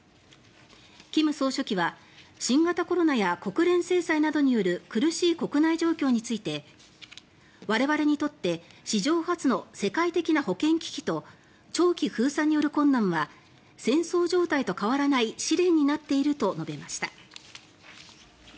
金総書記は新型コロナや国連制裁などによる苦しい国内状況について我々にとって史上初の世界的な保健危機と長期封鎖による困難は戦争状態と変わらない試練になっていると述べました。